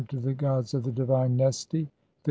to the Gods of the divine Nesti, 2 50.